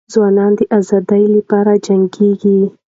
ځوانان د ازادۍ لپاره جنګیږي.